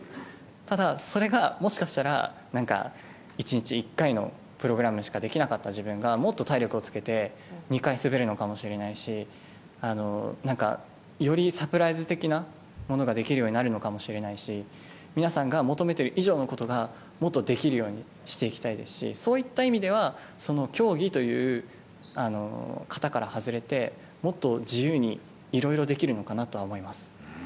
ただ、それがもしかしたら１日１回のプログラムしかできなかった自分が、もっと体力をつけて２回滑るのかもしれないしよりサプライズ的なものができるようになるのかもしれないし皆さんが求めている以上のことがもっとできるようにしていきたいですしそういった意味では競技という型から外れてもっと自由に、いろいろできるのかなとは思います。